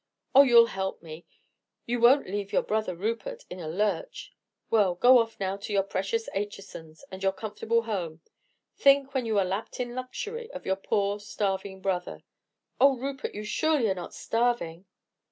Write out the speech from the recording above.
Oh, you'll help me; you won't leave your brother Rupert in a lurch. Well, go off now to your precious Achesons and your comfortable home. Think, when you are lapped in luxury, of your poor, starving brother." "Oh, Rupert, you surely are not starving?"